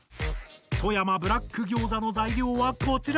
富山ブラックギョーザの材料はこちら！